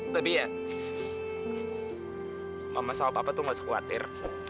tapi ya mama sama papa tuh gak sekuatir